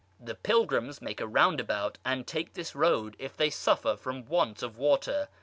The pilgrims make a roundabout, and take this road, if they suffer from want of water.